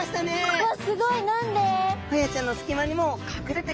うわっすごい！何で？